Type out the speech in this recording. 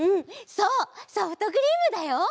そうソフトクリームだよ！